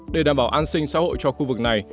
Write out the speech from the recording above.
để đảm bảo an sinh xã hội cho khu vực này